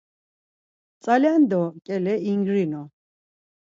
- Tzalendo ǩele ingrinu.